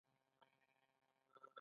دوی د لږ تر لږه څخه لږ څه نه مني